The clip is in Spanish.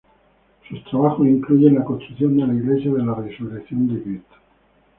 Sus trabajos incluyen la construcción de la iglesia de la Resurrección de Cristo.